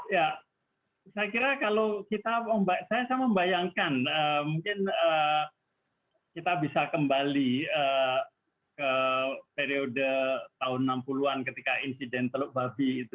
ya saya kira kalau kita saya membayangkan mungkin kita bisa kembali ke periode tahun enam puluh an ketika insiden teluk babi itu